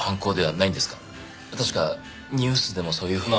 確かニュースでもそういうふうに。